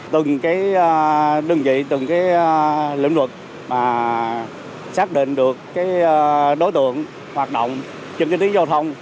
từng đơn vị từng lĩnh vực xác định được đối tượng hoạt động chứng kiến tiến giao thông